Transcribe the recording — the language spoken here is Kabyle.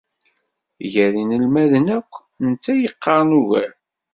Gar inelmaden akk, netta i yeqqaren ugar.